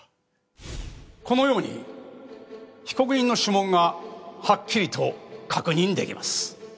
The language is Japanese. このように被告人の指紋がはっきりと確認出来ます。